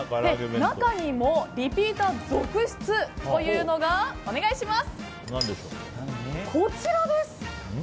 中でもリピーター続出というのがこちらです。